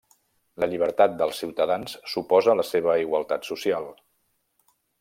La llibertat dels ciutadans suposa la seva igualtat social.